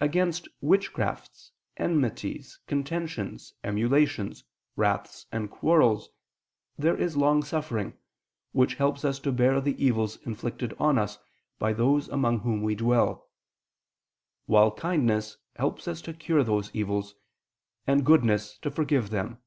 Against witchcrafts, enmities, contentions, emulations, wraths and quarrels, there is longsuffering, which helps us to bear the evils inflicted on us by those among whom we dwell; while kindness helps us to cure those evils; and goodness, to forgive them.